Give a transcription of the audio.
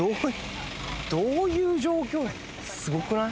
すごくない？